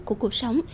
của cuộc sống